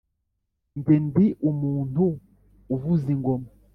nge ndi umuntu uvuza ingoma,